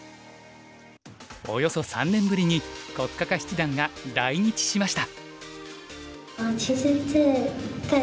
およそ３年ぶりに黒嘉嘉七段が来日しました。